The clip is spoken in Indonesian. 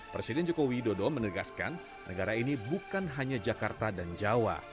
presiden joko widodo menegaskan negara ini bukan hanya jakarta dan jawa